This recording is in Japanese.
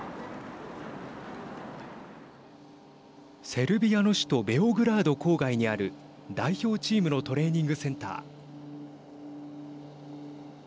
セルビアの首都ベオグラード郊外にある代表チームのトレーニングセンター。